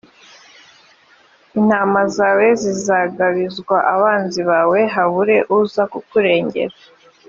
intama zawe zizagabizwa abanzi bawe, habure uza kukurengera.